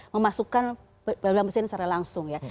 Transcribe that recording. memasukkan pemilihan presiden secara langsung ya